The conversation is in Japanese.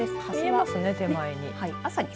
見えますね、手前に。